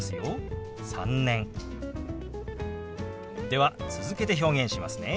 では続けて表現しますね。